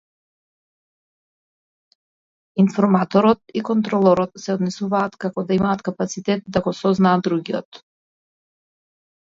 Информаторот и контролорот се однесуваат како да имаат капацитет да го сознаат другиот.